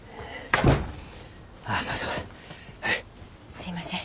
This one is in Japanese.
すいません